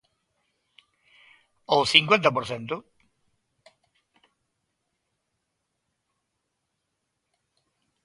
Ao cincuenta por cento.